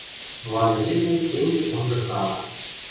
Вады йӹде тенге онгыркала.